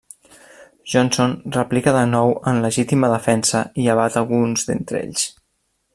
Johnson replica de nou en legítima defensa i abat alguns d'entre ells.